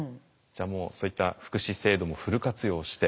じゃあもうそういった福祉制度もフル活用して。